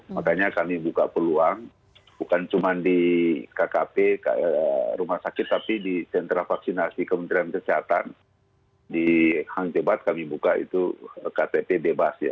makanya kami buka peluang bukan cuma di kkp rumah sakit tapi di sentra vaksinasi kementerian kesehatan di hang jebat kami buka itu ktp bebas ya